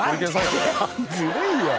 ずるいよ。